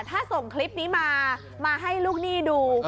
ถ้าส่งคลิปนี้มามาให้ลูกหนี้ดู